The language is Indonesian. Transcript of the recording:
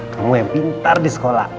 kamu yang pintar di sekolah